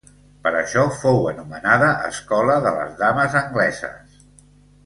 Per això fou anomenada Escola de les Dames Angleses.